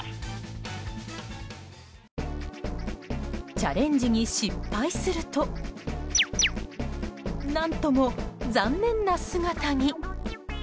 チャレンジに失敗すると何とも残念な姿に。